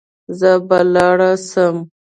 زه به لاړ سم.